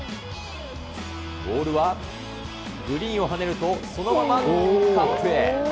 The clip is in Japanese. ボールはグリーンを跳ねるとそのままカップへ。